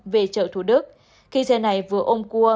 về chợ thủ đức khi xe này vừa ôm cua